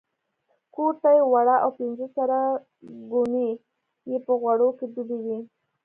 کورته یې وړه او پنځه سره ګوني یې په غوړو کې ډوبې وې.